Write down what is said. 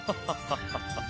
ハハハハ！